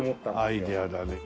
アイデアだね。